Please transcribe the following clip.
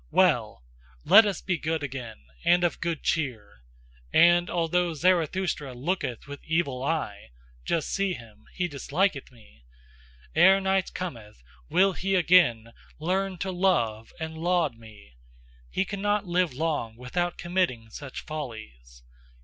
Well! Let us be good again, and of good cheer! And although Zarathustra looketh with evil eye just see him! he disliketh me : Ere night cometh will he again learn to love and laud me; he cannot live long without committing such follies.